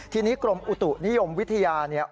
ทีนี้กรมอุตุนิยมวิทยา